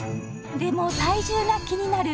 でも体重が気になる